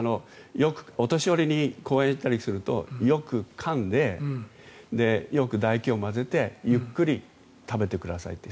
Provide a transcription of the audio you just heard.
お年寄りに講演に行ったりするとよくかんでよくだ液を混ぜてゆっくり食べてくださいと。